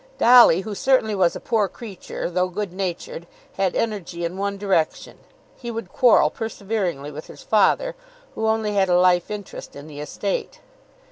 Dolly, who certainly was a poor creature though good natured, had energy in one direction. He would quarrel perseveringly with his father, who only had a life interest in the estate.